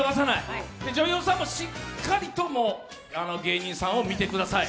女優さんもしっかりと芸人さんを見てください。